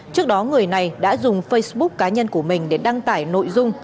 trước đó người này đã dùng facebook cá nhân của mình để đăng tải nội dung